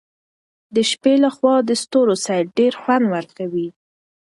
د شپې له خوا د ستورو سیل ډېر خوند ورکوي.